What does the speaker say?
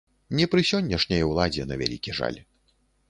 Не пры сённяшняй уладзе, на вялікі жаль.